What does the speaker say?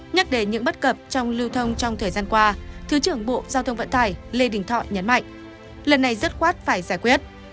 nhắc đến những bất cập trong lưu thông trong thời gian qua thứ trưởng bộ giao thông vận tải lê đình thọ nhấn mạnh lần này dứt khoát phải giải quyết